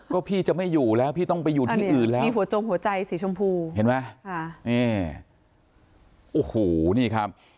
ก็พี่จะไม่อยู่แล้วพี่ต้องไปอยู่ที่อื่นแล้วมีหัวจงหัวใจสีชมพูเห็นไหมค่ะนี่โอ้โหนี่ครับ